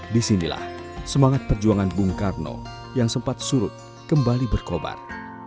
disinilah semangat perjuangan bung karno yang sempat surut kembali berkobar